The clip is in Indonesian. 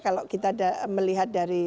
kalau kita melihat dari